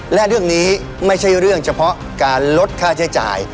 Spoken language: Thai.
และเรื่องนี้ไม่ใช่เรื่องเฉพาะการลดค่าใช้จ่าย